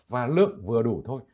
và lượng vừa đủ thôi